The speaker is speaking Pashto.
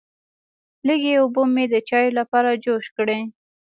لږې اوبه مې د چایو لپاره جوش کړې.